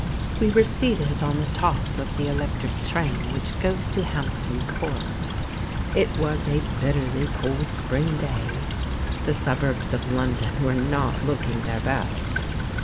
We were seated on the top of the electric tram which goes to Hampton Court. It was a bitterly cold spring day. The suburbs of London were not looking their best.